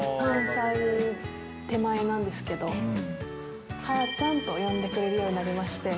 ３歳手前なんですけど、はーちゃんって呼んでくれるようになりまして。